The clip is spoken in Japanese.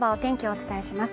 お伝えします